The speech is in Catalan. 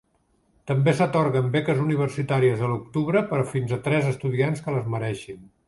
També s'atorguen beques universitàries a l'octubre per a fins a tres estudiants que les mereixin.